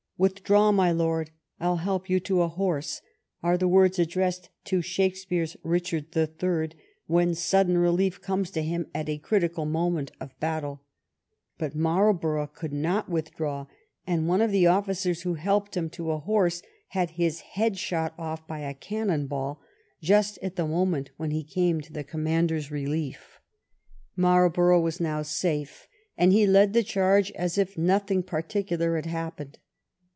" Withdraw, my Lord — I'll help you to a horse," are the words addressed to Shakespeare's Richard the Third, when sudden relief comes to him at a critical moment of battle. Sut Marlborough could not withdraw, and one of the officers who helped him to a horse had his own head shot off by a cannon ball just at the moment when he came to his conmiander's relief. Marlborough was now safe, and he led the charge as if nothing particular had happened.